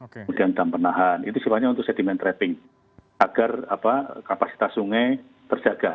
kemudian jam penahan itu sifatnya untuk sedimen trapping agar kapasitas sungai terjaga